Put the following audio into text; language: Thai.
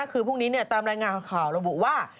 คือพรุ่งนี้ตามรายงานข่าวระบุว่า